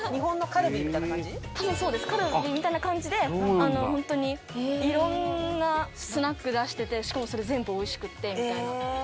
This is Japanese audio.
カルビーみたいな感じで本当にいろんなスナック出しててしかもそれ全部おいしくってみたいな。